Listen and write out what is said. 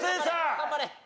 頑張れ。